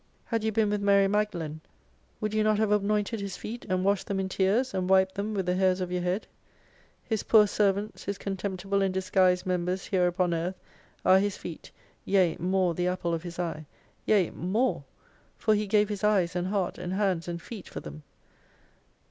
Had you been with Mary Magdalen, would you not have anointed His feet, and washed them in tears, and wiped them with the hairs of your head ? His poor servants, His con temptible and disguised members here upon earth are his feet, yea more the apple of His eye : yea more for He gave His eyes and heart and hands and feet for them.